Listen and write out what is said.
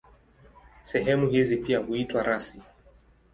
Sehemu hizi pia huitwa rasi.